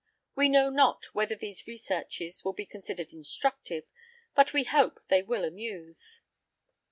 We know not whether these researches will be considered instructive, but we hope they will amuse.